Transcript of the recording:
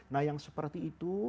nah yang seperti itu